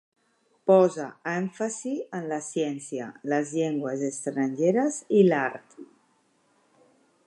Posa èmfasi en la ciència, les llengües estrangeres i l'art.